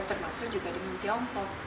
termasuk juga dengan tiongkok